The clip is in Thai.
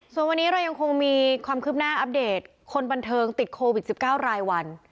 ส่วนวันนี้เรายังคงมีความคืบหน้าอัปเดตคนบันเทิงติดโควิด๑๙รายวัน